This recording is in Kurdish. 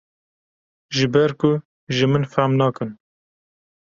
ji ber ku ji min fehm nakin.